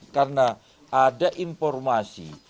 karena ada informasi